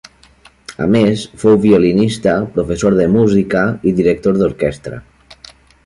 A més, fou violinista, professor de música i director d'orquestra.